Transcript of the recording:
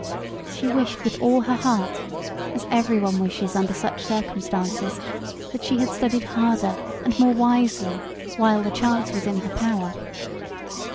She wished with all her heart, as every one wishes under such circumstances, that she had studied harder and more wisely while the chance was in her power.